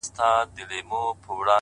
که هر څو دي په لاره کي گړنگ در اچوم؛